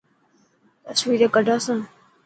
تصويران ڪڌا سان.